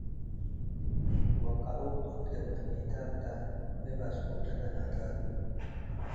ወቀሎት እት ገመኔታት ተ እብ አስዑደ ገናዳሉ